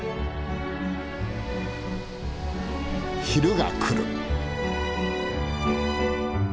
昼が来る。